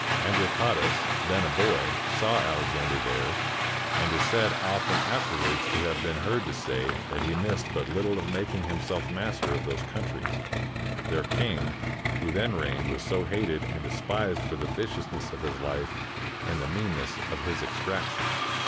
Androcottus, then a boy, saw Alexander there, and is said often after wards to have been heard to say, that he missed but little of making himself master of those countries; their king, who then reigned, was so hated and despised for the viciousness of his life and the meanness of his extraction.